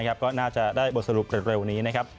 ก็น่าจะได้บทสรุปเร็วนี้นะครับ